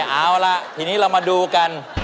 เอาล่ะทีนี้เรามาดูกัน